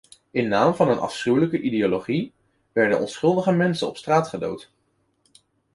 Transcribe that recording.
In naam van een afschuwelijke ideologie werden onschuldige mensen op straat gedood.